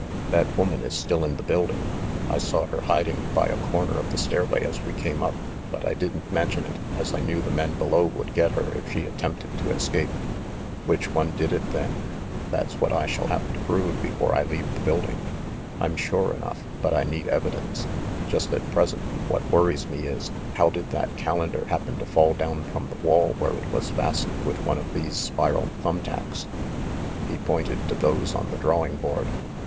"That woman is still in the building. I saw her hiding by a corner of the stairway as we came up ; but I didn't mention it, as I knew the men below would get her if she attempted to escape." "Which one did it, then?" "That's what I shall have to prove before I leave the building. I'm sure enough; but I need evidence. Just at present what worries me is, how did that cal endar happen to fall down from the wall where it was fastened with one of these spiral thumb tacks?' He pointed to those on the drawing board.